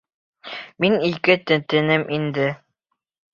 Мин ике тентенем инде.